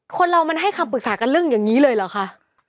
คนเรามันให้คำปรึกษากันเรื่องอย่างนี้เลยเหรอคะ